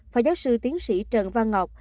phó giáo sư tiến sĩ trần văn ngọc